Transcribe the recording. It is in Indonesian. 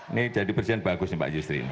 ini jadi persiapan bagus nih pak yusri ini